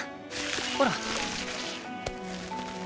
ほら。